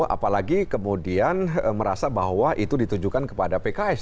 apalagi kemudian merasa bahwa itu ditujukan kepada pks